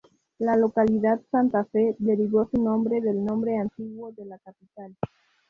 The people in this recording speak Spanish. La localidad Santa Fe derivó su nombre del nombre antiguo de la capital.